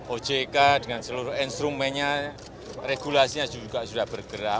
ojk dengan seluruh instrumennya regulasinya juga sudah bergerak